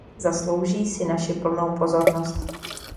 Zaslouží si naši plnou pozornost.